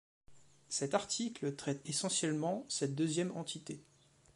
Cet article traite essentiellement cette deuxième entité.